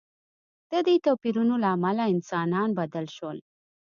د دې توپیرونو له امله انسانان بدل شول.